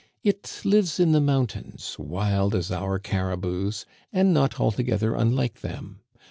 It lives in the mountains, wild as our caribous, and not altogether unlike them.